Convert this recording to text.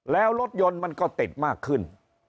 แล้วรถยนต์มันก็ติดมากขึ้น